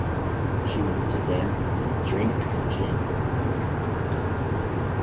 She wants to dance and drink gin.